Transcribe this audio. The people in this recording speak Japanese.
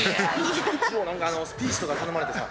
何かスピーチとか頼まれてさ。